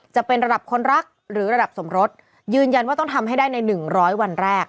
จะเป็นระดับคนรักหรือระดับสมรสยืนยันว่าต้องทำให้ได้ในหนึ่งร้อยวันแรก